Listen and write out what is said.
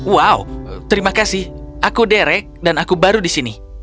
wow terima kasih aku derek dan aku baru di sini